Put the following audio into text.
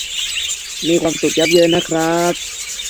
มีความสุขยับเยินนะครับ